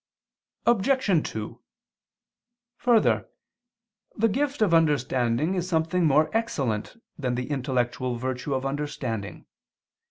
Obj. 2: Further, the gift of understanding is something more excellent than the intellectual virtue of understanding.